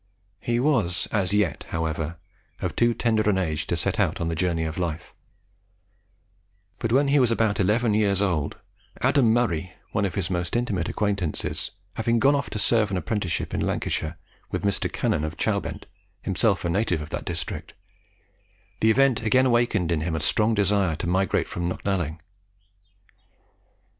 He was as yet, however, of too tender an age to set out on the journey of life; but when he was about eleven years old, Adam Murray, one of his most intimate acquaintances, having gone off to serve an apprenticeship in Lancashire with Mr. Cannan of Chowbent, himself a native of the district, the event again awakened in him a strong desire to migrate from Knocknalling.